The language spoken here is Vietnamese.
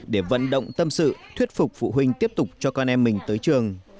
để vận động tâm sự thuyết phục phụ huynh tiếp tục cho con em mình tới trường